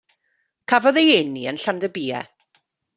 Cafodd ei eni yn Llandybie.